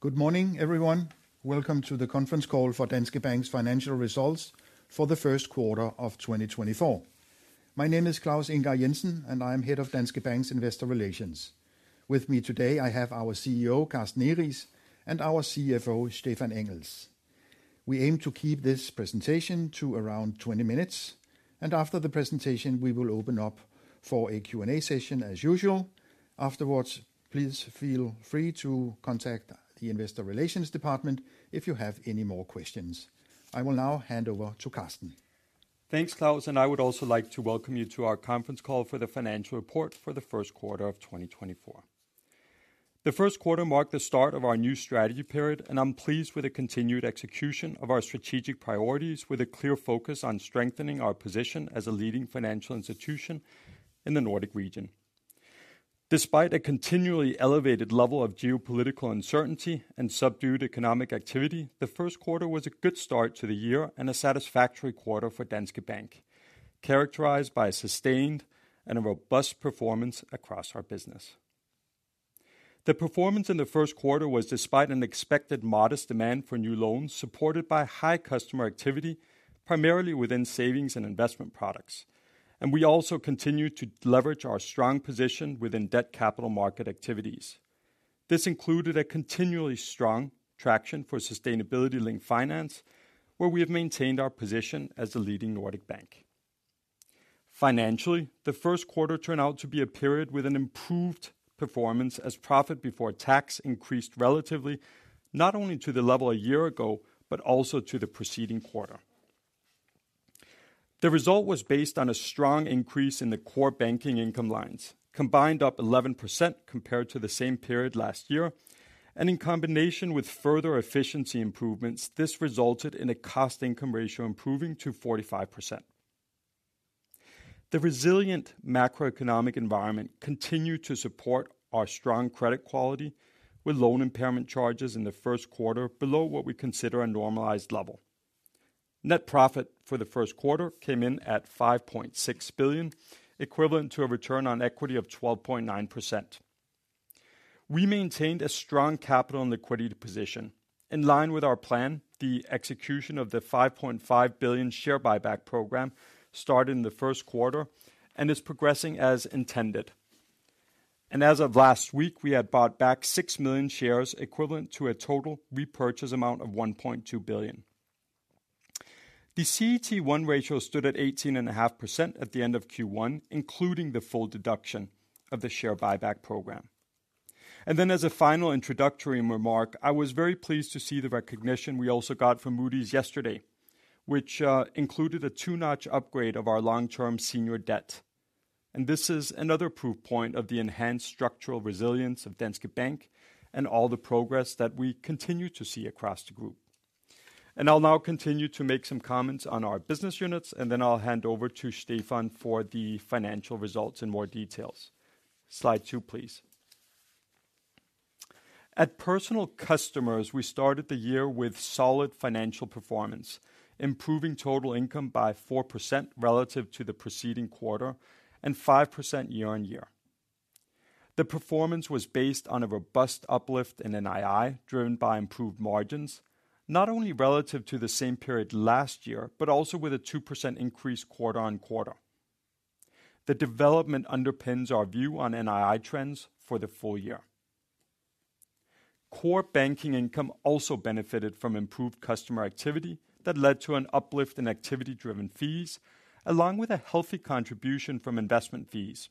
Good morning, everyone. Welcome to the Conference Call for Danske Bank's Financial Results for the First Quarter of 2024. My name is Claus Ingar Jensen, and I'm Head of Danske Bank's Investor Relations. With me today, I have our CEO, Carsten Egeriis, and our CFO, Stephan Engels. We aim to keep this presentation to around 20 minutes, and after the presentation, we will open up for a Q&A session as usual. Afterwards, please feel free to contact the Investor Relations department if you have any more questions. I will now hand over to Carsten. Thanks, Claus, and I would also like to welcome you to our Conference Call for the Financial Report for the First Quarter of 2024. The first quarter marked the start of our new strategy period, and I'm pleased with the continued execution of our strategic priorities, with a clear focus on strengthening our position as a leading financial institution in the Nordic region. Despite a continually elevated level of geopolitical uncertainty and subdued economic activity, the first quarter was a good start to the year and a satisfactory quarter for Danske Bank, characterized by a sustained and a robust performance across our business. The performance in the first quarter was despite an expected modest demand for new loans, supported by high customer activity, primarily within savings and investment products, and we also continued to leverage our strong position within debt capital market activities. This included a continually strong traction for sustainability-linked finance, where we have maintained our position as the leading Nordic bank. Financially, the first quarter turned out to be a period with an improved performance as profit before tax increased relatively, not only to the level a year ago, but also to the preceding quarter. The result was based on a strong increase in the core banking income lines, combined up 11% compared to the same period last year, and in combination with further efficiency improvements, this resulted in a cost-income ratio improving to 45%. The resilient macroeconomic environment continued to support our strong credit quality, with loan impairment charges in the first quarter below what we consider a normalized level. Net profit for the first quarter came in at 5.6 billion, equivalent to a return on equity of 12.9%. We maintained a strong capital and liquidity position. In line with our plan, the execution of the 5.5 billion share buyback program started in the first quarter and is progressing as intended. As of last week, we had bought back 6 million shares, equivalent to a total repurchase amount of 1.2 billion. The CET1 ratio stood at 18.5% at the end of Q1, including the full deduction of the share buyback program. As a final introductory remark, I was very pleased to see the recognition we also got from Moody's yesterday, which included a two notch upgrade of our long-term senior debt. This is another proof point of the enhanced structural resilience of Danske Bank and all the progress that we continue to see across the group. I'll now continue to make some comments on our business units, and then I'll hand over to Stephan for the financial results in more details. Slide two, please. At Personal Customers, we started the year with solid financial performance, improving total income by 4% relative to the preceding quarter and 5% year-on-year. The performance was based on a robust uplift in NII, driven by improved margins, not only relative to the same period last year, but also with a 2% increase quarter-on-quarter. The development underpins our view on NII trends for the full year. Core banking income also benefited from improved customer activity that led to an uplift in activity-driven fees, along with a healthy contribution from investment fees.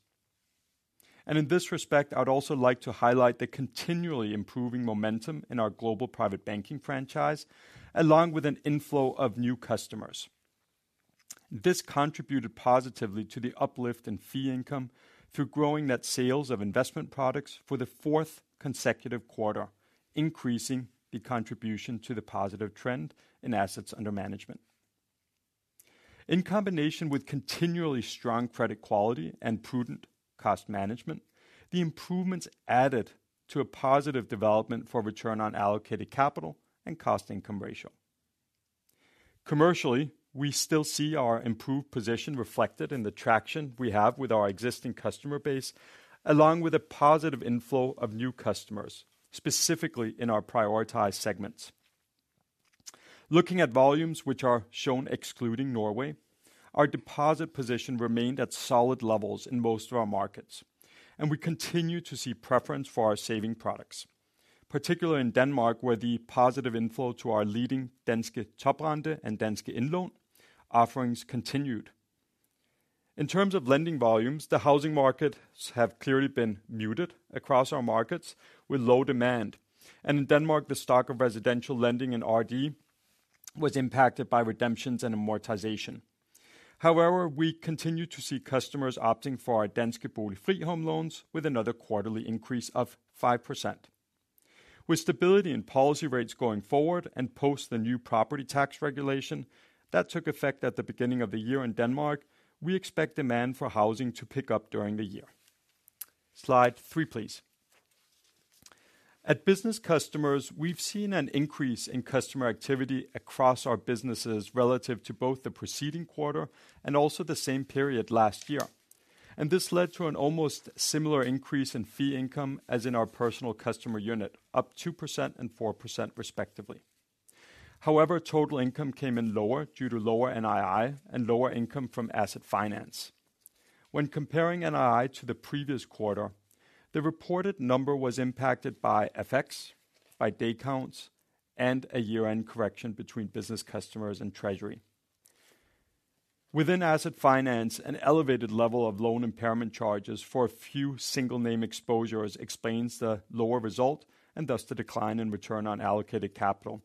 In this respect, I would also like to highlight the continually improving momentum in our global private banking franchise, along with an inflow of new customers. This contributed positively to the uplift in fee income through growing net sales of investment products for the fourth consecutive quarter, increasing the contribution to the positive trend in assets under management. In combination with continually strong credit quality and prudent cost management, the improvements added to a positive development for return on allocated capital and cost-income ratio. Commercially, we still see our improved position reflected in the traction we have with our existing customer base, along with a positive inflow of new customers, specifically in our prioritized segments. Looking at volumes which are shown excluding Norway, our deposit position remained at solid levels in most of our markets, and we continue to see preference for our saving products, particularly in Denmark, where the positive inflow to our leading Danske Toprente and Danske Indlån offerings continued. In terms of lending volumes, the housing markets have clearly been muted across our markets, with low demand. And in Denmark, the stock of residential lending in RD was impacted by redemptions and amortization. However, we continue to see customers opting for our Danske Bolig Fri Home loans, with another quarterly increase of 5%. With stability in policy rates going forward and post the new property tax regulation that took effect at the beginning of the year in Denmark, we expect demand for housing to pick up during the year. Slide three, please. At Business Customers, we've seen an increase in customer activity across our businesses relative to both the preceding quarter and also the same period last year. This led to an almost similar increase in fee income as in our Personal Customer unit, up 2% and 4% respectively. However, total income came in lower due to lower NII and lower income from asset finance. When comparing NII to the previous quarter, the reported number was impacted by FX, by day counts, and a year-end correction between business customers and treasury. Within asset finance, an elevated level of loan impairment charges for a few single name exposures explains the lower result and thus the decline in return on allocated capital.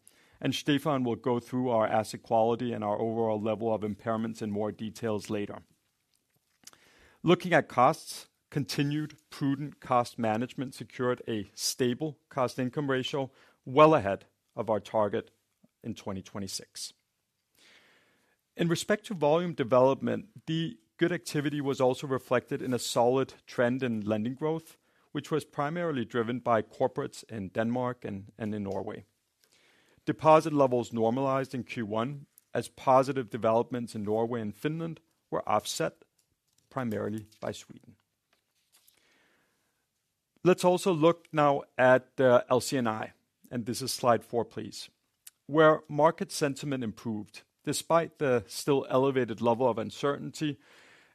Stefan will go through our asset quality and our overall level of impairments in more details later. Looking at costs, continued prudent cost management secured a stable cost-income ratio well ahead of our target in 2026. In respect to volume development, the good activity was also reflected in a solid trend in lending growth, which was primarily driven by corporates in Denmark and in Norway. Deposit levels normalized in Q1 as positive developments in Norway and Finland were offset primarily by Sweden. Let's also look now at the LC&I, and this is slide four, please. Where market sentiment improved, despite the still elevated level of uncertainty,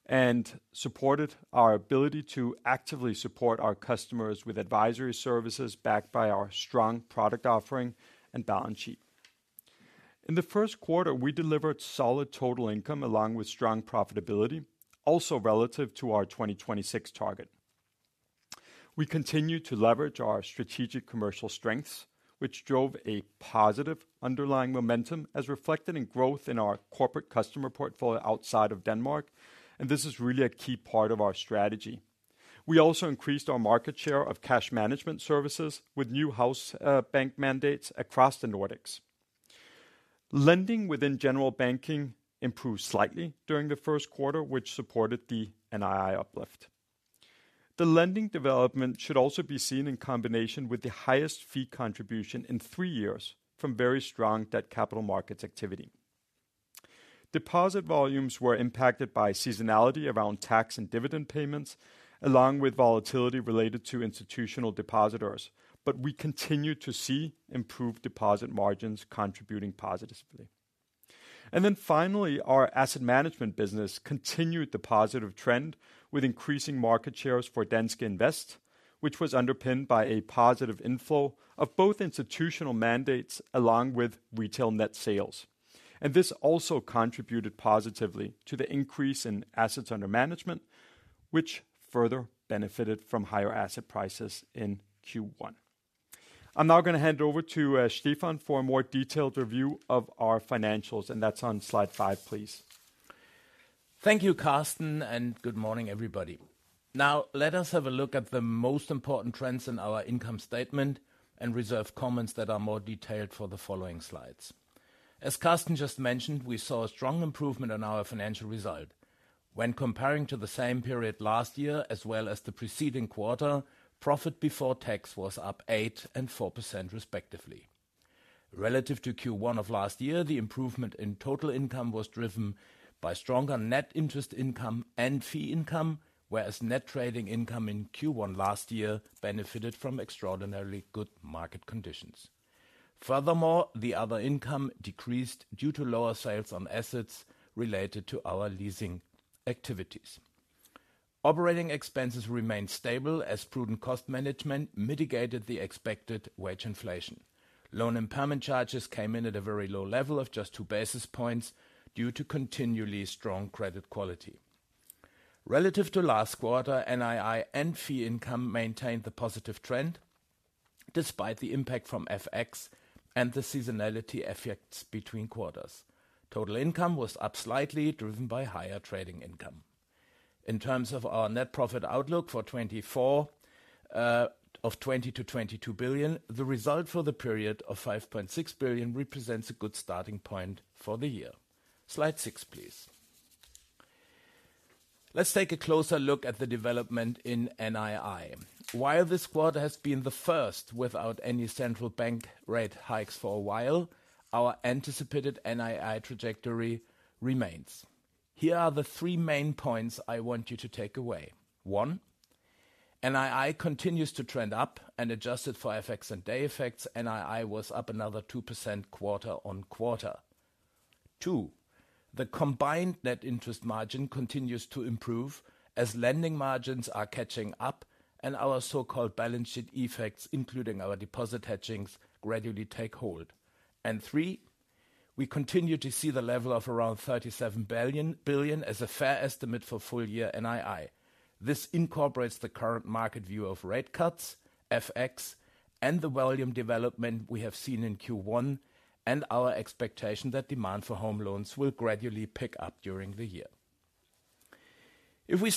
and supported our ability to actively support our customers with advisory services backed by our strong product offering and balance sheet. In the first quarter, we delivered solid total income along with strong profitability, also relative to our 2026 target. We continued to leverage our strategic commercial strengths, which drove a positive underlying momentum, as reflected in growth in our corporate customer portfolio outside of Denmark, and this is really a key part of our strategy. We also increased our market share of cash management services with new house bank mandates across the Nordics. Lending within general banking improved slightly during the first quarter, which supported the NII uplift. The lending development should also be seen in combination with the highest fee contribution in three years from very strong debt capital markets activity. Deposit volumes were impacted by seasonality around tax and dividend payments, along with volatility related to institutional depositors, but we continued to see improved deposit margins contributing positively. And then finally, our asset management business continued the positive trend with increasing market shares for Danske Invest, which was underpinned by a positive inflow of both institutional mandates along with retail net sales. And this also contributed positively to the increase in assets under management, which further benefited from higher asset prices in Q1. I'm now gonna hand over to, Stephan, for a more detailed review of our financials, and that's on slide five, please. Thank you, Carsten, and good morning, everybody. Now, let us have a look at the most important trends in our income statement and reserve comments that are more detailed for the following slides. As Carsten just mentioned, we saw a strong improvement on our financial result. When comparing to the same period last year as well as the preceding quarter, profit before tax was up 8% and 4%, respectively. Relative to Q1 of last year, the improvement in total income was driven by stronger net interest income and fee income, whereas net trading income in Q1 last year benefited from extraordinarily good market conditions. Furthermore, the other income decreased due to lower sales on assets related to our leasing activities. Operating expenses remained stable as prudent cost management mitigated the expected wage inflation. Loan impairment charges came in at a very low level of just two basis points due to continually strong credit quality. Relative to last quarter, NII and fee income maintained the positive trend despite the impact from FX and the seasonality effects between quarters. Total income was up slightly, driven by higher trading income. In terms of our net profit outlook for 2024 of 20 billion-22 billion, the result for the period of 5.6 billion represents a good starting point for the year. Slide six, please. Let's take a closer look at the development in NII. While this quarter has been the first without any central bank rate hikes for a while, our anticipated NII trajectory remains. Here are the three main points I want you to take away. One, NII continues to trend up and adjusted for FX and day effects, NII was up another 2% quarter-on-quarter. Two, the combined net interest margin continues to improve as lending margins are catching up and our so-called balance sheet effects, including our deposit hedgings, gradually take hold. Three, we continue to see the level of around 37 billion as a fair estimate for full year NII. This incorporates the current market view of rate cuts, FX, and the volume development we have seen in Q1, and our expectation that demand for home loans will gradually pick up during the year. If we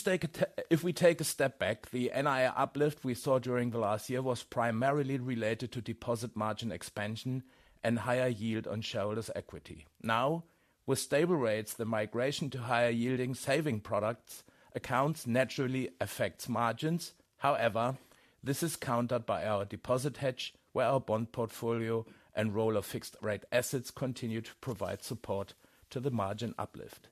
take a step back, the NII uplift we saw during the last year was primarily related to deposit margin expansion and higher yield on shareholders' equity. Now, with stable rates, the migration to higher yielding saving products accounts naturally affects margins. However, this is countered by our deposit hedge, where our bond portfolio and roll of fixed rate assets continue to provide support to the margin uplift.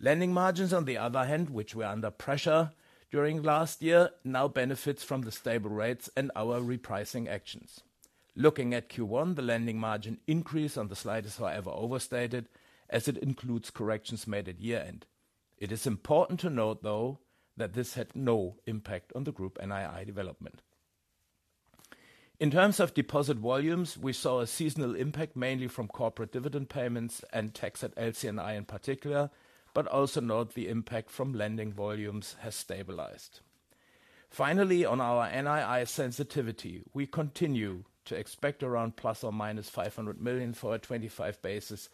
Lending margins, on the other hand, which were under pressure during last year, now benefits from the stable rates and our repricing actions. Looking at Q1, the lending margin increase on the slide is forever overstated, as it includes corrections made at year-end. It is important to note, though, that this had no impact on the group NII development. In terms of deposit volumes, we saw a seasonal impact, mainly from corporate dividend payments and tax at LC&I in particular, but also note the impact from lending volumes has stabilized. Finally, on our NII sensitivity, we continue to expect around ±500 million for a 25 basis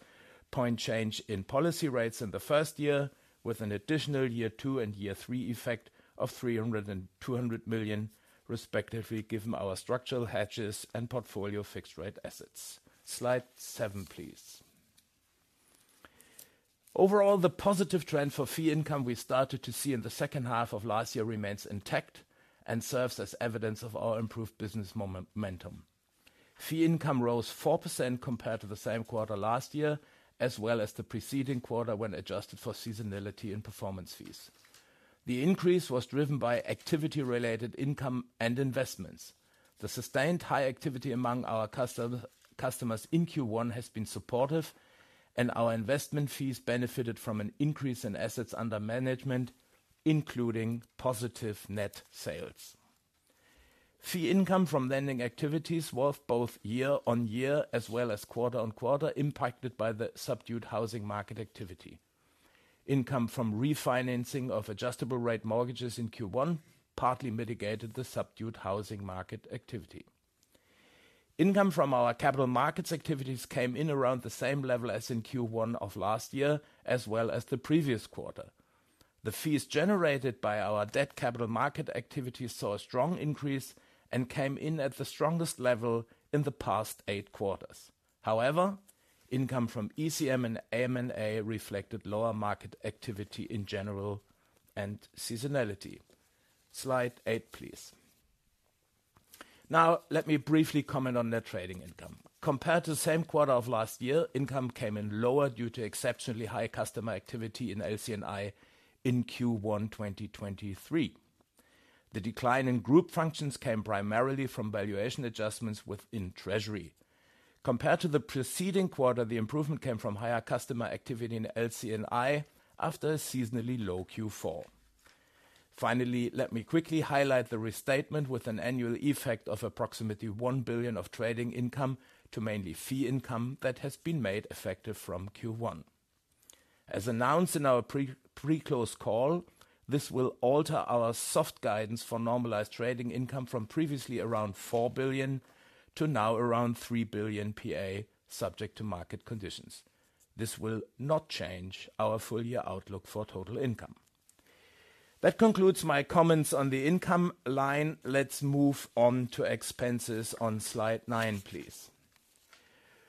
point change in policy rates in the first year, with an additional year two and year three effect of 300 million and 200 million respectively, given our structural hedges and portfolio fixed-rate assets. Slide seven please. Overall, the positive trend for fee income we started to see in the second half of last year remains intact and serves as evidence of our improved business momentum. Fee income rose 4% compared to the same quarter last year, as well as the preceding quarter when adjusted for seasonality and performance fees. The increase was driven by activity-related income and investments. The sustained high activity among our customers in Q1 has been supportive, and our investment fees benefited from an increase in assets under management, including positive net sales. Fee income from lending activities was both year-on-year as well as quarter-on-quarter, impacted by the subdued housing market activity. Income from refinancing of adjustable-rate mortgages in Q1 partly mitigated the subdued housing market activity. Income from our capital markets activities came in around the same level as in Q1 of last year, as well as the previous quarter. The fees generated by our debt capital market activity saw a strong increase and came in at the strongest level in the past eight quarters. However, income from ECM and M&A reflected lower market activity in general and seasonality. Slide eight, please. Now let me briefly comment on net trading income. Compared to the same quarter of last year, income came in lower due to exceptionally high customer activity in LC&I in Q1, 2023. The decline in group functions came primarily from valuation adjustments within treasury. Compared to the preceding quarter, the improvement came from higher customer activity in LC&I after a seasonally low Q4. Finally, let me quickly highlight the restatement with an annual effect of approximately 1 billion of trading income to mainly fee income that has been made effective from Q1. As announced in our pre-close call, this will alter our soft guidance for normalized trading income from previously around 4 billion to now around 3 billion PA, subject to market conditions. This will not change our full year outlook for total income. That concludes my comments on the income line. Let's move on to expenses on slide nine, please.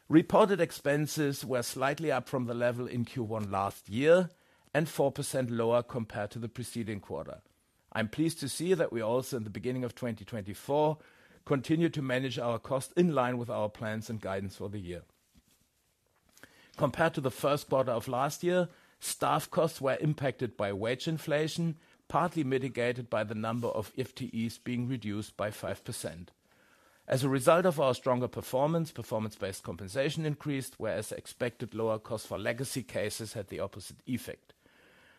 Reported expenses were slightly up from the level in Q1 last year and 4% lower compared to the preceding quarter. I'm pleased to see that we also, in the beginning of 2024, continue to manage our cost in line with our plans and guidance for the year. Compared to the first quarter of last year, staff costs were impacted by wage inflation, partly mitigated by the number of FTEs being reduced by 5%. As a result of our stronger performance, performance-based compensation increased, whereas expected lower costs for legacy cases had the opposite effect.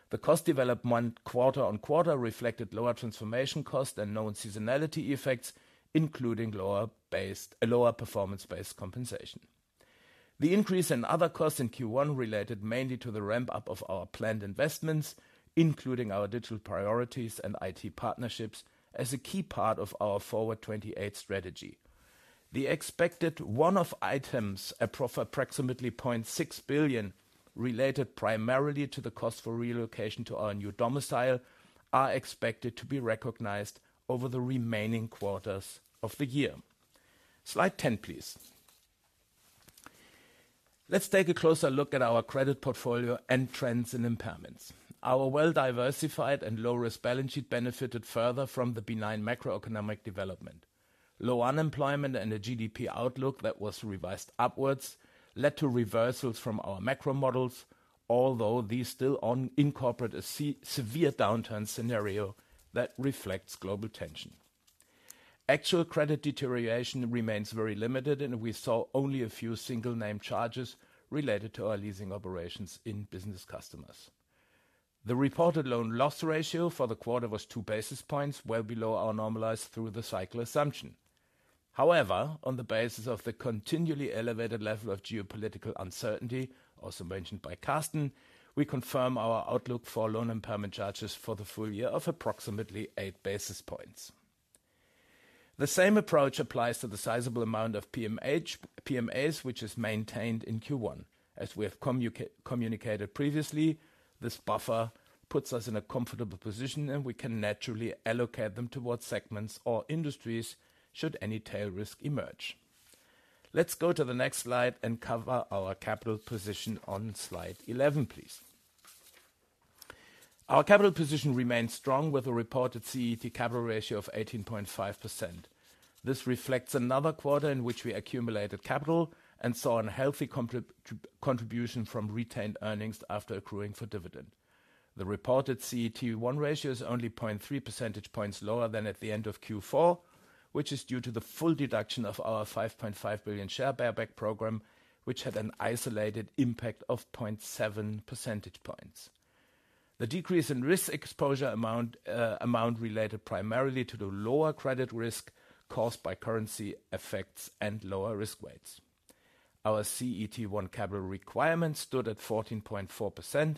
The cost development quarter-on-quarter reflected lower transformation costs and known seasonality effects, including a lower performance-based compensation. The increase in other costs in Q1 related mainly to the ramp-up of our planned investments, including our digital priorities and IT partnerships, as a key part of our Forward '28 strategy. The expected one-off items, approximately 0.6 billion, related primarily to the cost for relocation to our new domicile, are expected to be recognized over the remaining quarters of the year. Slide 10, please. Let's take a closer look at our credit portfolio and trends in impairments. Our well-diversified and low-risk balance sheet benefited further from the benign macroeconomic development. Low unemployment and a GDP outlook that was revised upwards led to reversals from our macro models, although these still incorporate a severe downturn scenario that reflects global tension. Actual credit deterioration remains very limited, and we saw only a few single name charges related to our leasing operations in business customers. The reported loan loss ratio for the quarter was two basis points, well below our normalized through the cycle assumption. However, on the basis of the continually elevated level of geopolitical uncertainty, also mentioned by Carsten, we confirm our outlook for loan impairment charges for the full year of approximately eight basis points. The same approach applies to the sizable amount of PMAs, which is maintained in Q1. As we have communicated previously, this buffer puts us in a comfortable position, and we can naturally allocate them towards segments or industries should any tail risk emerge. Let's go to the next slide and cover our capital position on slide 11, please. Our capital position remains strong, with a reported CET1 capital ratio of 18.5%. This reflects another quarter in which we accumulated capital and saw a healthy contribution from retained earnings after accruing for dividend. The reported CET1 ratio is only 0.3 percentage points lower than at the end of Q4, which is due to the full deduction of our 5.5 billion share buyback program, which had an isolated impact of 0.7 percentage points. The decrease in risk exposure amount related primarily to the lower credit risk caused by currency effects and lower risk weights. Our CET1 capital requirements stood at 14.4%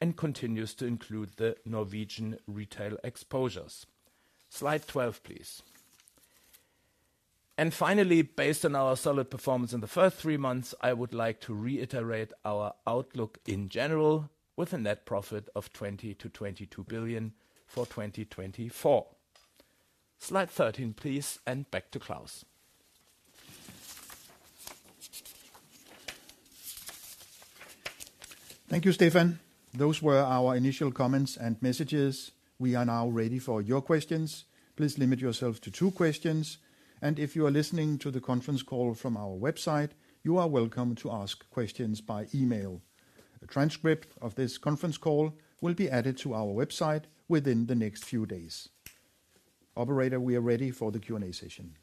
and continues to include the Norwegian retail exposures. Slide 12, please. And finally, based on our solid performance in the first three months, I would like to reiterate our outlook in general, with a net profit of 20 billion-22 billion for 2024. Slide 13, please, and back to Claus. Thank you, Stefan. Those were our initial comments and messages. We are now ready for your questions. Please limit yourself to two questions, and if you are listening to the conference call from our website, you are welcome to ask questions by email. A transcript of this conference call will be added to our website within the next few days. Operator, we are ready for the Q&A session.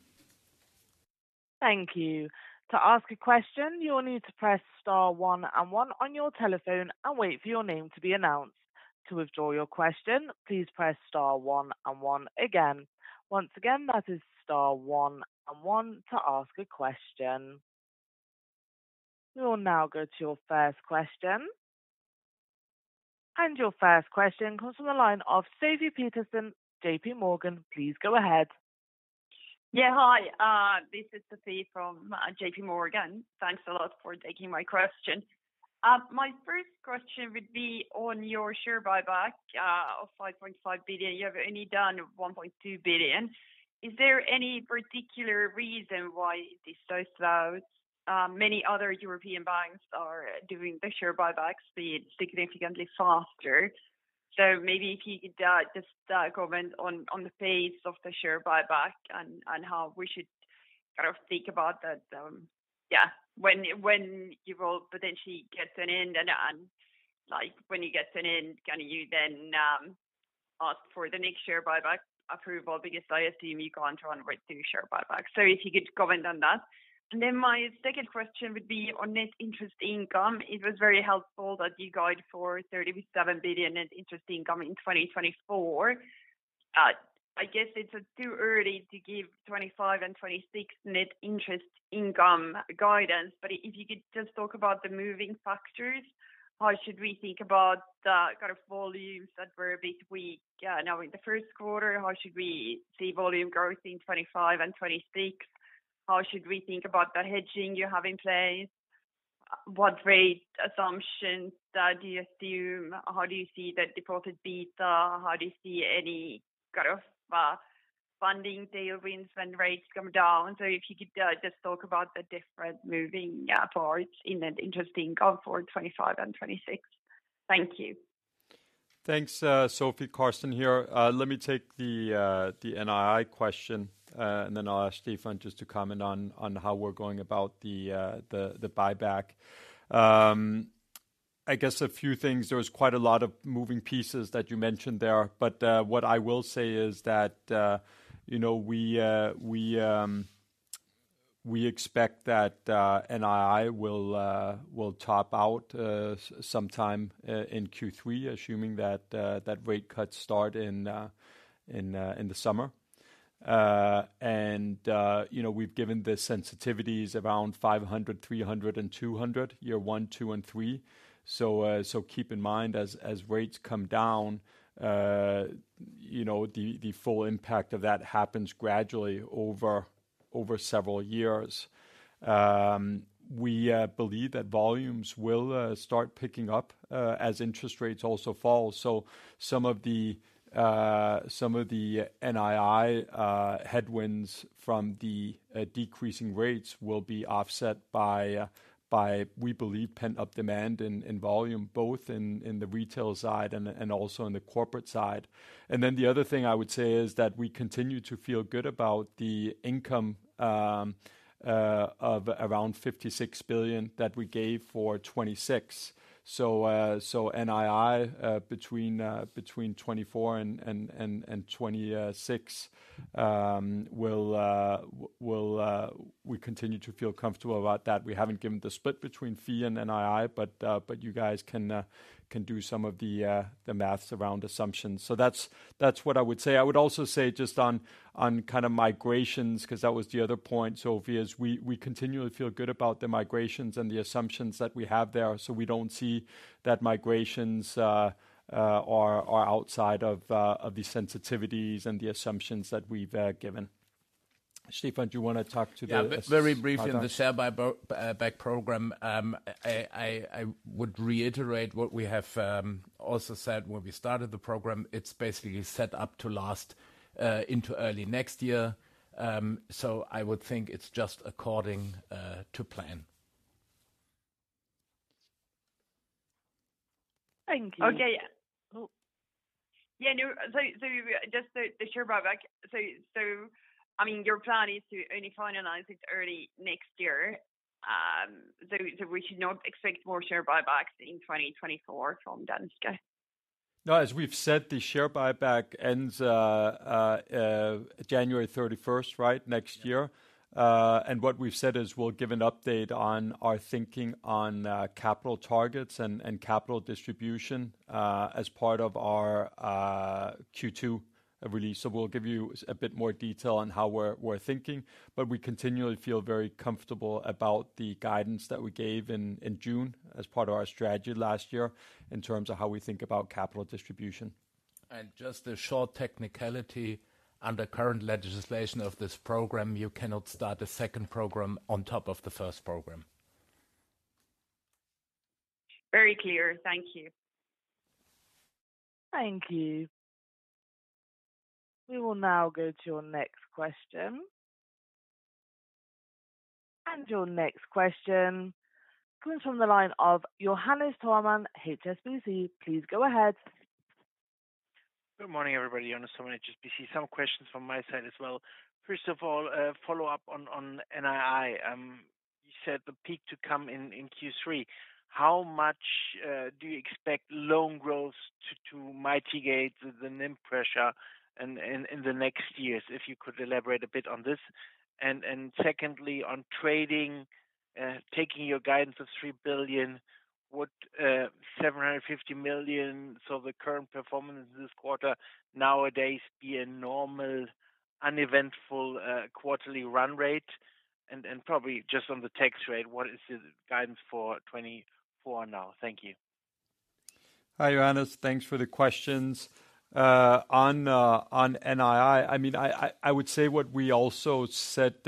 Thank you. To ask a question, you will need to press star one and one on your telephone and wait for your name to be announced. To withdraw your question, please press star one and one again. Once again, that is star one and one to ask a question. We will now go to your first question. Your first question comes from the line of Sofie Peterzens, JPMorgan. Please go ahead. Yeah, hi, this is Sofie from JPMorgan. Thanks a lot for taking my question. My first question would be on your share buyback of 5.5 billion. You have only done 1.2 billion. Is there any particular reason why it is so slow? Many other European banks are doing the share buybacks significantly faster. So maybe if you could just comment on the pace of the share buyback and how we should kind of think about that. Yeah, when you will potentially get an end, and like when you get an end, can you then ask for the next share buyback approval? Because I assume you can't run through share buyback. So if you could comment on that. And then my second question would be on net interest income. It was very helpful that you guide for 37 billion net interest income in 2024. I guess it's too early to give 2025 and 2026 net interest income guidance, but if you could just talk about the moving factors, how should we think about the kind of volumes that were a bit weak now in the first quarter? How should we see volume growth in 2025 and 2026? How should we think about the hedging you have in place? What rate assumptions do you assume? How do you see the deposit beta? How do you see any kind of funding tailwinds when rates come down? So if you could just talk about the different moving parts in net interest income for 2025 and 2026. Thank you. Thanks, Sofie. Carsten here. Let me take the NII question, and then I'll ask Stephan just to comment on how we're going about the buyback. I guess a few things. There was quite a lot of moving pieces that you mentioned there, but what I will say is that, you know, we expect that NII will top out sometime in Q3, assuming that rate cuts start in the summer. And you know, we've given the sensitivities around 500 million, 300 million, and 200 million, year one, two, and three. So keep in mind, as rates come down, you know, the full impact of that happens gradually over several years. We believe that volumes will start picking up as interest rates also fall. So some of the NII headwinds from the decreasing rates will be offset by by we believe pent-up demand in volume both in the retail side and also in the corporate side. And then the other thing I would say is that we continue to feel good about the income of around 56 billion that we gave for 2026. So NII between 2024 and 2026 will. We continue to feel comfortable about that. We haven't given the split between fee and NII, but you guys can do some of the math around assumptions. So that's what I would say. I would also say just on, on kind of migrations, because that was the other point, Sofie, is we, we continually feel good about the migrations and the assumptions that we have there. So we don't see that migrations are, are outside of, of the sensitivities and the assumptions that we've given. Stephan, do you want to talk to the? Yeah, very briefly on the share buyback program. I would reiterate what we have also said when we started the program. It's basically set up to last into early next year. So I would think it's just according to plan. Thank you. Okay. Oh, yeah, no, so just the share buyback. So I mean, your plan is to only finalize it early next year, so we should not expect more share buybacks in 2024 from Danske? No, as we've said, the share buyback ends January 31st, right, next year. What we've said is we'll give an update on our thinking on capital targets and capital distribution as part of our Q2 release. We'll give you a bit more detail on how we're thinking, but we continually feel very comfortable about the guidance that we gave in June as part of our strategy last year, in terms of how we think about capital distribution. Just a short technicality. Under current legislation of this program, you cannot start a second program on top of the first program. Very clear. Thank you. Thank you. We will now go to your next question. Your next question comes from the line of Johannes Thormann, HSBC. Please go ahead. Good morning, everybody. Johannes Thormann, HSBC. Some questions from my side as well. First of all, follow up on NII. You said the peak to come in Q3. How much do you expect loan growth to mitigate the NIM pressure in the next years? If you could elaborate a bit on this. And secondly, on trading, taking your guidance of 3 billion, would 750 million, so the current performance this quarter, nowadays be a normal, uneventful quarterly run rate? And probably just on the tax rate, what is your guidance for 2024 now? Thank you. Hi, Johannes. Thanks for the questions. On NII, I mean, I would say what we also said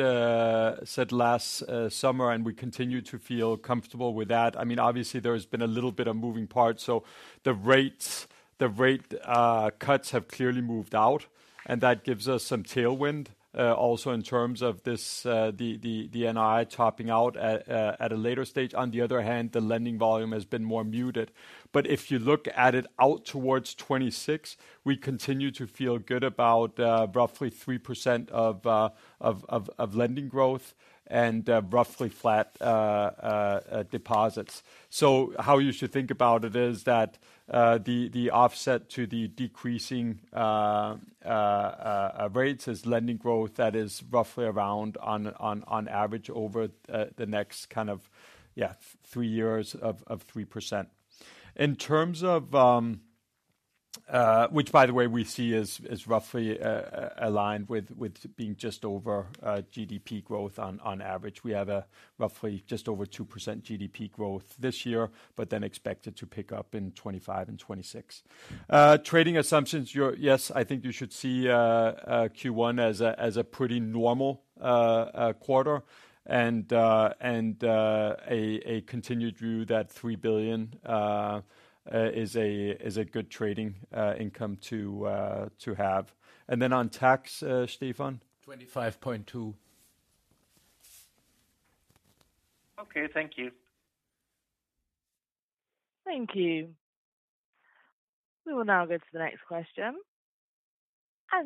last summer, and we continue to feel comfortable with that. I mean, obviously, there has been a little bit of moving parts, so the rates, the rate cuts have clearly moved out, and that gives us some tailwind, also in terms of this, the NII topping out at a later stage. On the other hand, the lending volume has been more muted. But if you look at it out towards 2026, we continue to feel good about roughly 3% of lending growth and roughly flat deposits. So how you should think about it is that the offset to the decreasing rates is lending growth that is roughly around on average over the next kind of three years of 3%. In terms of which by the way, we see as roughly aligned with being just over GDP growth on average. We have a roughly just over 2% GDP growth this year, but then expect it to pick up in 2025 and 2026. Trading assumptions, yes, I think you should see Q1 as a pretty normal quarter, and a continued view that 3 billion is a good trading income to have. And then on tax, Stephan? 25.2%. Okay. Thank you. Thank you. We will now go to the next question.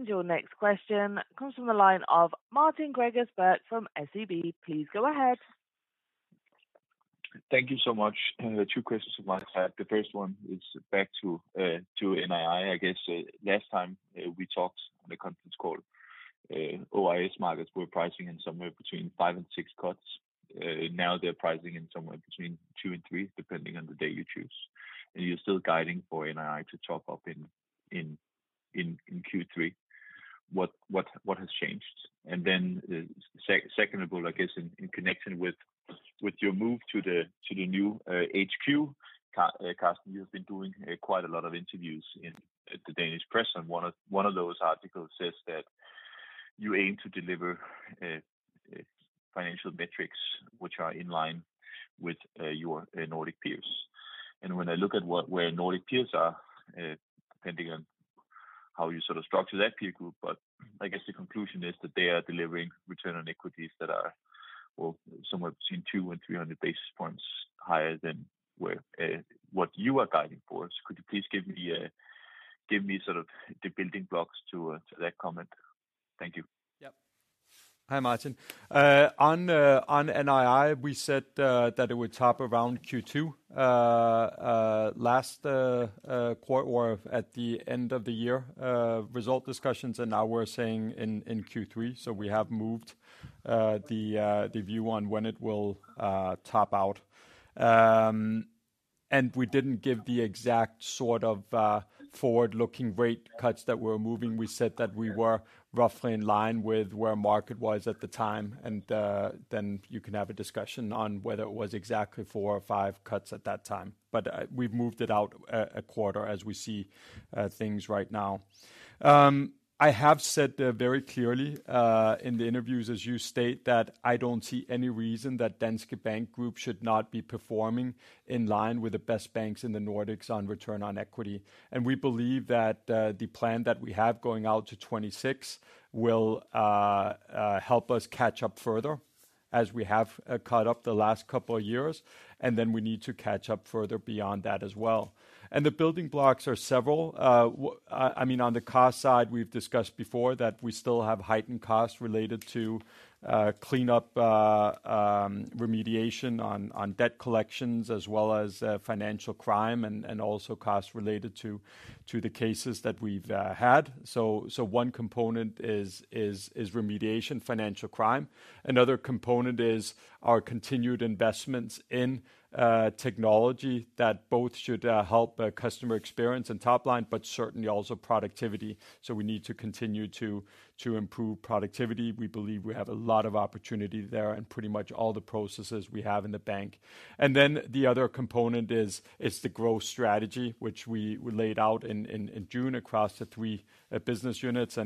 Your next question comes from the line of Martin Gregers Birk from SEB. Please go ahead. Thank you so much. Two questions on my side. The first one is back to NII. I guess, last time, we talked on the conference call, OIS markets were pricing in somewhere between five and six cuts. Now they're pricing in somewhere between two and three, depending on the day you choose, and you're still guiding for NII to top up in Q3. What has changed? And then secondly, I guess, in connection with your move to the new HQ, Carsten, you've been doing quite a lot of interviews in the Danish press, and one of those articles says that you aim to deliver financial metrics which are in line with your Nordic peers. When I look at what, where Nordic peers are, depending on how you sort of structure that peer group, but I guess the conclusion is that they are delivering return on equities that are, well, somewhere between 200 and 300 basis points higher than where, what you are guiding for. Could you please give me, give me sort of the building blocks to, to that comment? Thank you. Yep. Hi, Martin. On NII, we said that it would top around Q2 last quarter or at the end of the year result discussions, and now we're saying in Q3. So we have moved the view on when it will top out. And we didn't give the exact sort of forward-looking rate cuts that were moving. We said that we were roughly in line with where market was at the time, and then you can have a discussion on whether it was exactly four or five cuts at that time. But we've moved it out a quarter as we see things right now. I have said, very clearly, in the interviews, as you state, that I don't see any reason that Danske Bank Group should not be performing in line with the best banks in the Nordics on return on equity. And we believe that, the plan that we have going out to 2026 will, help us catch up further, as we have, caught up the last couple of years, and then we need to catch up further beyond that as well. And the building blocks are several. I mean, on the cost side, we've discussed before that we still have heightened costs related to, cleanup, remediation on, on debt collections as well as, financial crime and, and also costs related to, to the cases that we've, had. So, one component is, remediation, financial crime. Another component is our continued investments in technology that both should help customer experience and top line, but certainly also productivity. We need to continue to improve productivity. We believe we have a lot of opportunity there, and pretty much all the processes we have in the bank. The other component is the growth strategy, which we laid out in June across the three business units.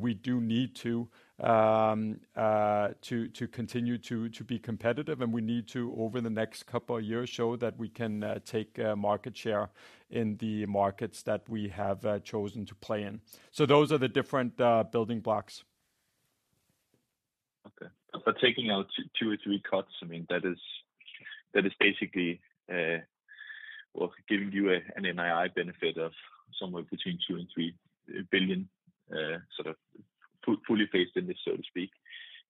We do need to continue to be competitive, and we need to, over the next couple of years, show that we can take market share in the markets that we have chosen to play in. Those are the different building blocks. Okay. But taking out two or three cuts, I mean, that is basically, well, giving you an NII benefit of somewhere between 2 billion and 3 billion, sort of fully phased in this, so to speak.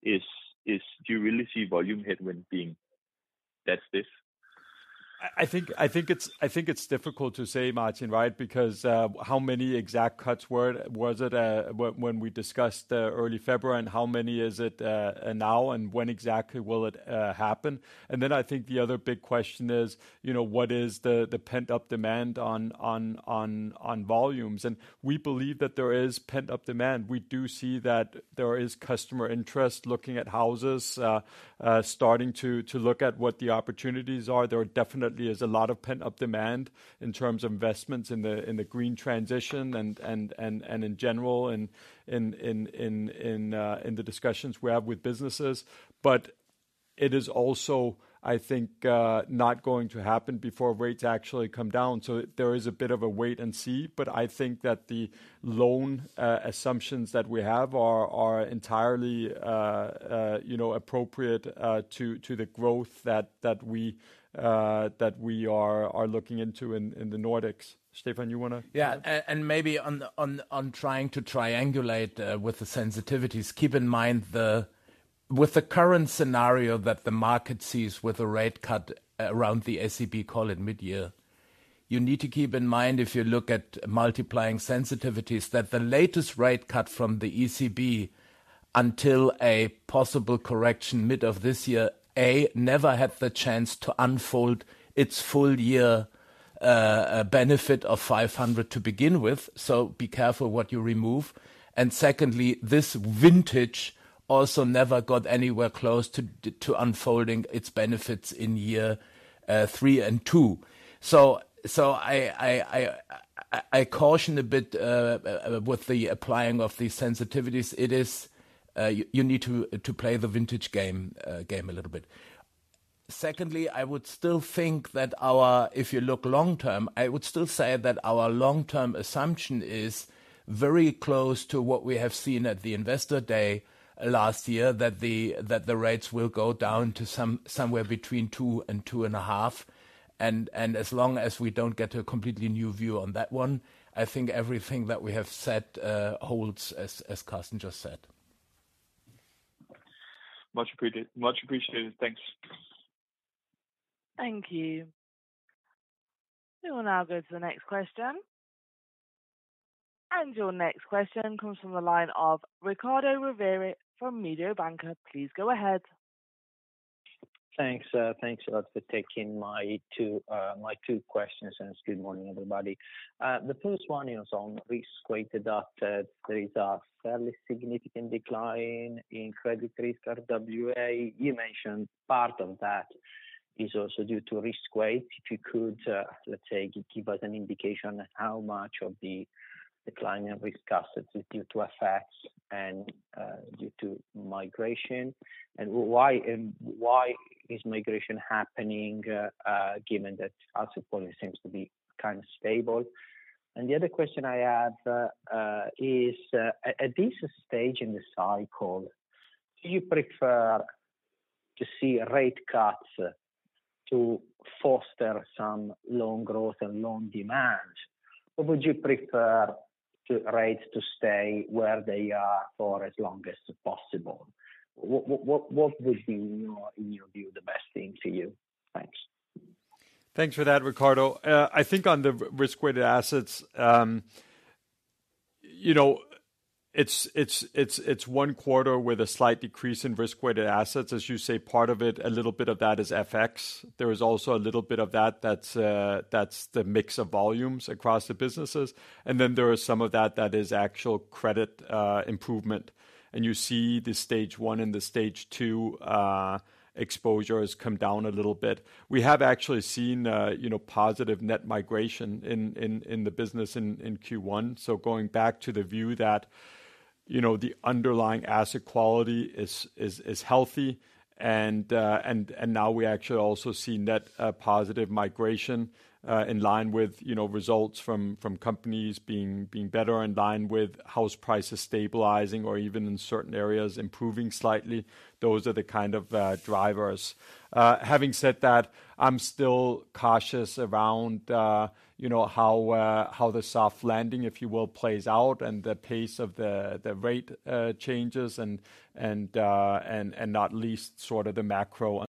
Do you really see volume headwind being that stiff? I think it's difficult to say, Martin, right? Because how many exact cuts were it when we discussed early February, and how many is it now, and when exactly will it happen? And then I think the other big question is, you know, what is the pent-up demand on volumes? And we believe that there is pent-up demand. We do see that there is customer interest looking at houses starting to look at what the opportunities are. There definitely is a lot of pent-up demand in terms of investments in the green transition and in general in the discussions we have with businesses. But it is also, I think, not going to happen before rates actually come down, so there is a bit of a wait and see. But I think that the loan assumptions that we have are entirely, you know, appropriate to the growth that we are looking into in the Nordics. Stephan, you wanna? Yeah, and maybe on trying to triangulate with the sensitivities, keep in mind with the current scenario that the market sees with a rate cut around the ECB call in midyear, you need to keep in mind, if you look at multiplying sensitivities, that the latest rate cut from the ECB until a possible correction mid of this year, A, never had the chance to unfold its full year benefit of 500 to begin with, so be careful what you remove. And secondly, this vintage also never got anywhere close to unfolding its benefits in year three and two. So I caution a bit with the applying of these sensitivities. It is you need to play the vintage game a little bit. Secondly, I would still think that if you look long term, I would still say that our long-term assumption is very close to what we have seen at the Investor Day last year, that the rates will go down to somewhere between 2% and 2.5%. And as long as we don't get a completely new view on that one, I think everything that we have said holds, as Carsten just said. Much appreciated. Much appreciated. Thanks. Thank you. We will now go to the next question. Your next question comes from the line of Riccardo Rovere from Mediobanca. Please go ahead. Thanks, thanks a lot for taking my two questions, and good morning, everybody. The first one is on risk-weighted assets. There is a fairly significant decline in credit risk, RWA. You mentioned part of that is also due to risk weight. If you could, let's say, give us an indication how much of the decline in risk assets is due to effects and, due to migration? And why is migration happening, given that asset quality seems to be kind of stable? And the other question I have, is, at this stage in the cycle, do you prefer to see rate cuts to foster some loan growth and loan demand, or would you prefer the rates to stay where they are for as long as possible? What would be, in your view, the best thing to you? Thanks. Thanks for that, Riccardo. I think on the risk-weighted assets, you know, it's one quarter with a slight decrease in risk-weighted assets. As you say, part of it, a little bit of that is FX. There is also a little bit of that that's the mix of volumes across the businesses, and then there are some of that that is actual credit improvement. And you see the stage one and the stage two exposures come down a little bit. We have actually seen, you know, positive net migration in the business in Q1. So going back to the view that the underlying asset quality is healthy, and now we actually also see net positive migration in line with, you know, results from companies being better in line with house prices stabilizing or even in certain areas improving slightly. Those are the kind of drivers. Having said that, I'm still cautious around you know, how the soft landing, if you will, plays out, and the pace of the rate changes and not least sort of the macro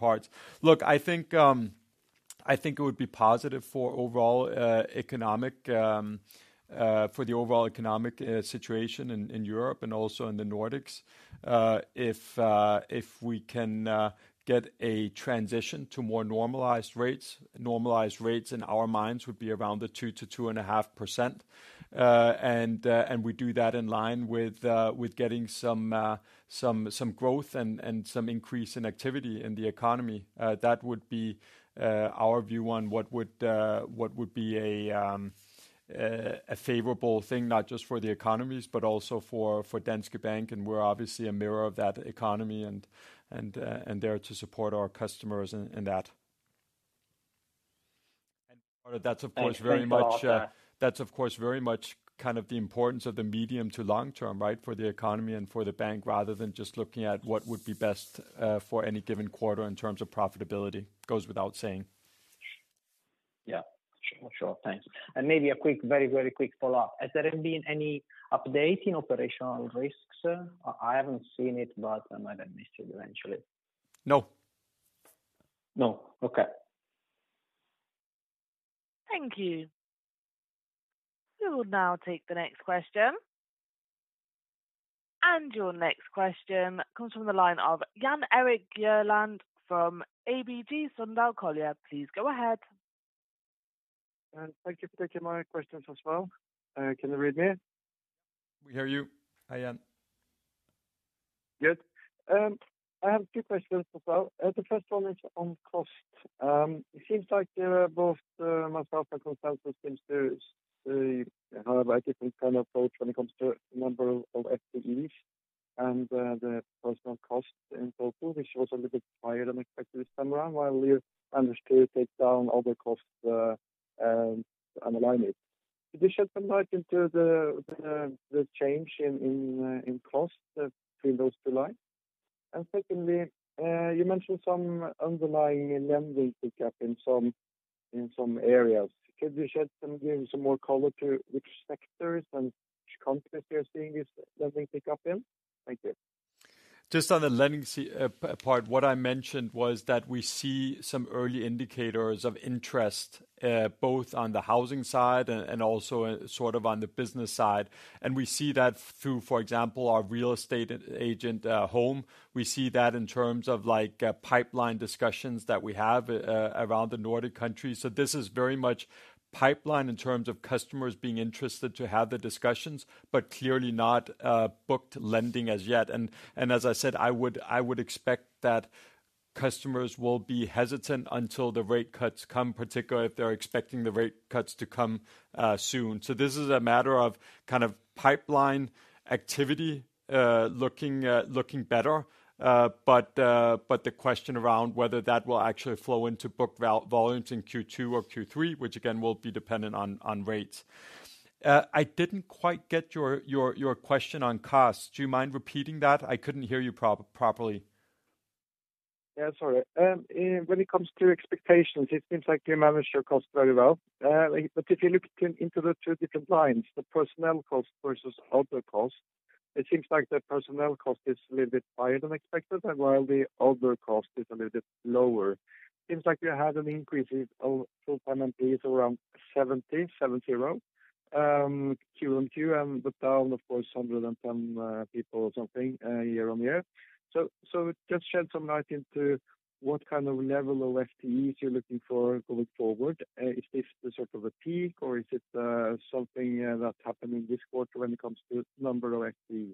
parts. Look, I think it would be positive for overall economic for the overall economic situation in Europe and also in the Nordics. If we can get a transition to more normalized rates. Normalized rates in our minds would be around the 2%-2.5%. And we do that in line with getting some growth and some increase in activity in the economy. That would be our view on what would be a favorable thing, not just for the economies, but also for Danske Bank, and we're obviously a mirror of that economy and there to support our customers in that. That's of course very much. Thank you. That's of course, very much kind of the importance of the medium to long term, right? For the economy and for the bank, rather than just looking at what would be best, for any given quarter in terms of profitability. Goes without saying. Yeah, sure. Thanks. Maybe a quick very, very quick follow-up. Has there been any update in operational risks? I haven't seen it, but I might have missed it eventually. No. No. Okay. Thank you. We will now take the next question. Your next question comes from the line of Jan Erik Gjerland from ABG Sundal Collier. Please go ahead. Thank you for taking my questions as well. Can you hear me? We hear you. Hi, Jan. Good. I have two questions as well. The first one is on cost. It seems like both myself and consensus seems to have a different kind of approach when it comes to number of FTEs and the personal cost in total, which was a little bit higher than expected this time around, while we understood take down all the costs, alignment. Could you shed some light into the change in cost between those two lines? And secondly, you mentioned some underlying lending pickup in some areas. Could you shed some, give some more color to which sectors and which countries we are seeing this lending pick up in? Thank you. Just on the lending side, what I mentioned was that we see some early indicators of interest, both on the housing side and also sort of on the business side. And we see that through, for example, our real estate agent home. We see that in terms of, like, pipeline discussions that we have around the Nordic countries. So this is very much pipeline in terms of customers being interested to have the discussions, but clearly not booked lending as yet. And as I said, I would expect that customers will be hesitant until the rate cuts come, particularly if they're expecting the rate cuts to come soon. So this is a matter of kind of pipeline activity looking better. But the question around whether that will actually flow into book volumes in Q2 or Q3, which again, will be dependent on rates. I didn't quite get your question on costs. Do you mind repeating that? I couldn't hear you properly. Yeah, sorry. When it comes to expectations, it seems like you managed your cost very well. But if you look into the two different lines, the personnel cost versus other costs, it seems like the personnel cost is a little bit higher than expected, and while the other cost is a little bit lower. Seems like you had an increase in full-time employees around 70 Q-on-Q, and but down, of course, 110 people or something year-on-year. So, just shed some light into what kind of level of FTEs you're looking for going forward. Is this the sort of a peak or is it something that happened in this quarter when it comes to number of FTEs?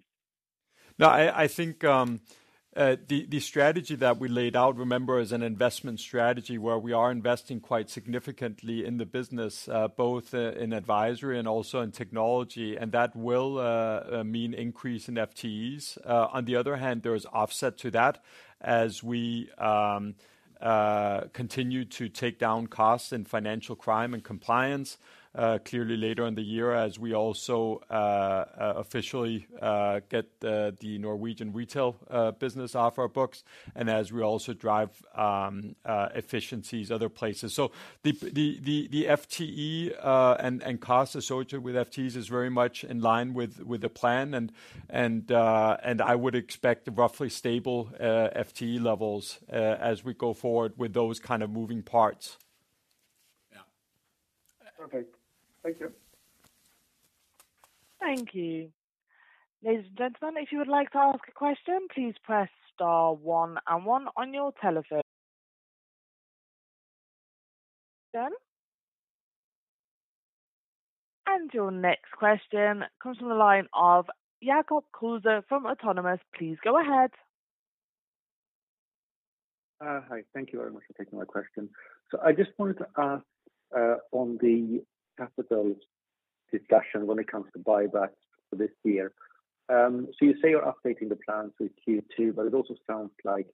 No, I think the strategy that we laid out, remember, is an investment strategy where we are investing quite significantly in the business, both in advisory and also in technology, and that will mean increase in FTEs. On the other hand, there is offset to that as we continue to take down costs in financial crime and compliance, clearly later in the year, as we also officially get the Norwegian retail business off our books and as we also drive efficiencies other places. So the FTE and cost associated with FTEs is very much in line with the plan, and I would expect roughly stable FTE levels as we go forward with those kind of moving parts. Yeah. Perfect. Thank you. Thank you. Ladies and gentlemen, if you would like to ask a question, please press star one and one on your telephone. Done. And your next question comes from the line of Jacob Kruse from Autonomous Research. Please go ahead. Hi. Thank you very much for taking my question. So I just wanted to ask on the capital discussion when it comes to buybacks for this year. So you say you're updating the plan through Q2, but it also sounds like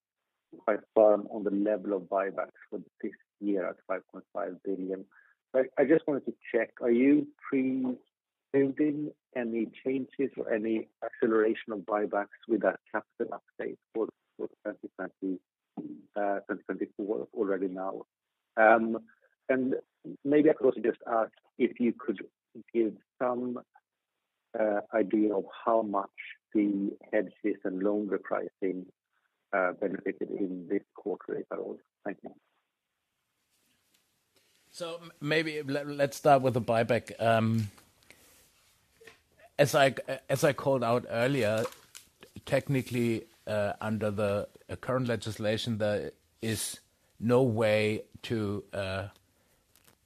quite firm on the level of buybacks for this year at 5.5 billion. But I just wanted to check, are you pre-building any changes or any acceleration of buybacks with that capital update for 2024 already now? And maybe I could also just ask if you could give some idea of how much the hedges and loan repricing benefited in this quarter at all. Thank you. So maybe let's start with the buyback. As I called out earlier, technically, under the current legislation, there is no way to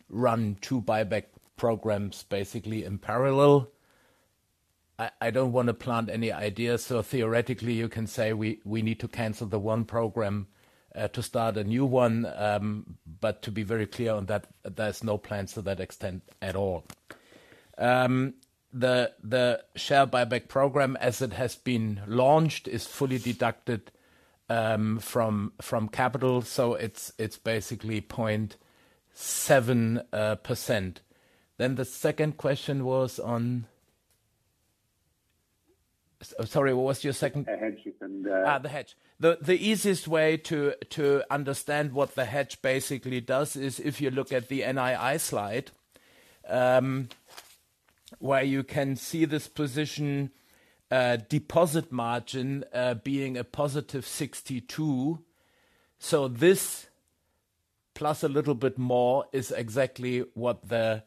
run two buyback programs basically in parallel. I don't want to plant any ideas, so theoretically you can say we need to cancel the one program to start a new one. But to be very clear on that, there's no plans to that extent at all. The share buyback program, as it has been launched, is fully deducted from capital, so it's basically 0.7%. Then the second question was on. Sorry, what was your second? The hedges. Ah, the hedge. The easiest way to understand what the hedge basically does is if you look at the NII slide, where you can see this position, deposit margin, being a positive 62%. So this plus a little bit more is exactly what the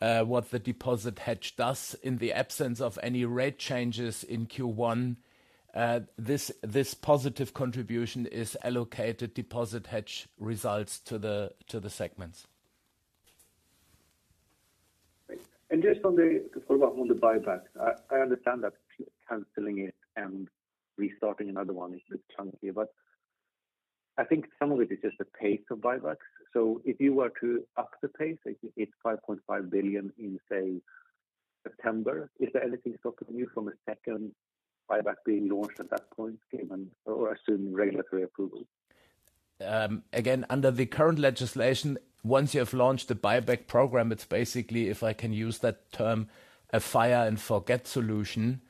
deposit hedge does. In the absence of any rate changes in Q1, this positive contribution is allocated deposit hedge results to the segments. Great. And just on the, to follow up on the buyback, I understand that canceling it and restarting another one is a bit clunky, but I think some of it is just the pace of buybacks. So if you were to up the pace, it's 5.5 billion in, say, September, is there anything to stop you from a second buyback being launched at that point, given or assuming regulatory approval? Again, under the current legislation, once you have launched a buyback program, it's basically, if I can use that term, a fire and forget solution.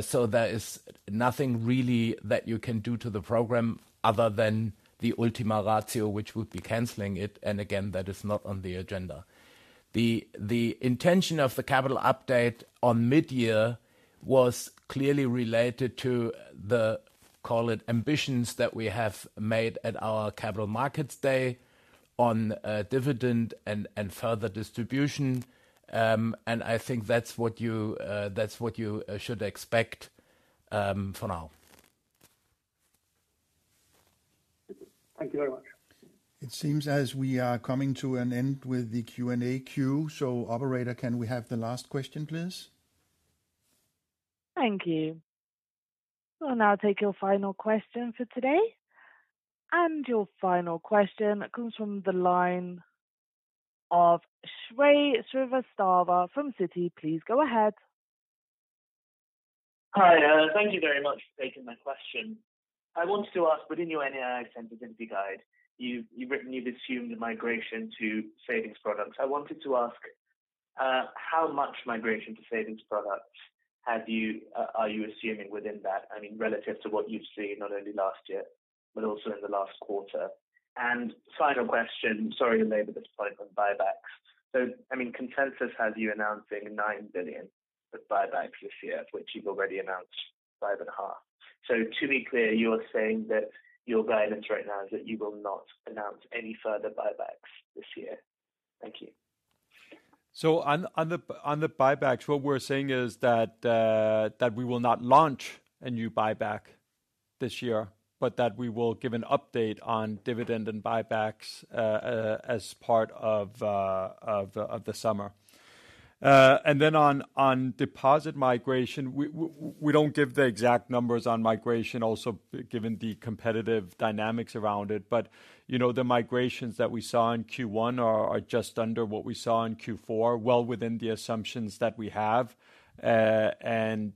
So there is nothing really that you can do to the program other than the ultima ratio, which would be canceling it, and again, that is not on the agenda. The intention of the capital update on mid-year was clearly related to the, call it, ambitions that we have made at our capital markets day on dividend and further distribution. And I think that's what you should expect for now. Thank you very much. It seems as we are coming to an end with the Q&A queue. So operator, can we have the last question, please? Thank you. We'll now take your final question for today, and your final question comes from the line of Shrey Srivastava from Citi. Please go ahead. Hi, thank you very much for taking my question. I wanted to ask, within your NII sensitivity guide, you've written you've assumed a migration to savings products. I wanted to ask how much migration to savings products are you assuming within that? I mean, relative to what you've seen not only last year, but also in the last quarter. Final question, sorry to labor this point on buybacks. So I mean, consensus has you announcing 9 billion of buybacks this year, which you've already announced 5.5 billion. So to be clear, you're saying that your guidance right now is that you will not announce any further buybacks this year? Thank you. So on the buybacks, what we're saying is that we will not launch a new buyback this year, but that we will give an update on dividend and buybacks as part of the summer. And then on deposit migration, we don't give the exact numbers on migration, also given the competitive dynamics around it. But, you know, the migrations that we saw in Q1 are just under what we saw in Q4, well within the assumptions that we have. And,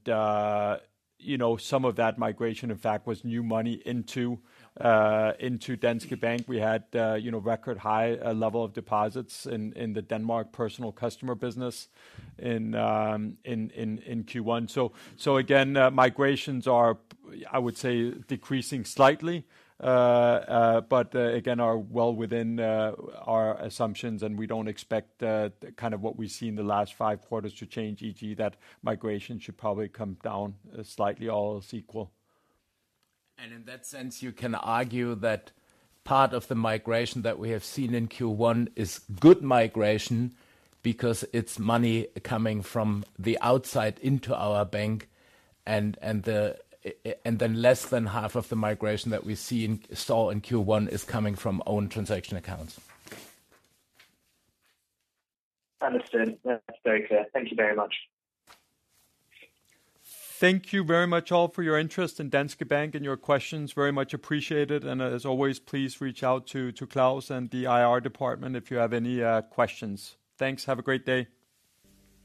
you know, some of that migration, in fact, was new money into Danske Bank. We had, you know, record high level of deposits in the Denmark personal customer business in Q1. So, again, migrations are, I would say, decreasing slightly, but again, are well within our assumptions, and we don't expect kind of what we've seen in the last five quarters to change, e.g., that migration should probably come down slightly, all else equal. In that sense, you can argue that part of the migration that we have seen in Q1 is good migration because it's money coming from the outside into our bank, and then less than half of the migration that we saw in Q1 is coming from own transaction accounts. Understood. Yeah, that's very clear. Thank you very much. Thank you very much all for your interest in Danske Bank and your questions. Very much appreciated, and as always, please reach out to Claus and the IR department if you have any questions. Thanks. Have a great day.